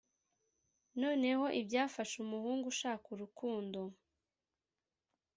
noneho ibyafasha umuhungu ushaka urukundo